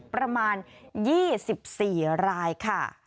ประมาณ๒๔รายค่ะ